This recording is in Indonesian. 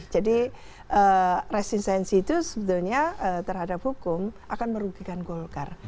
jadi resistensi itu sebetulnya terhadap hukum akan merugikan golkar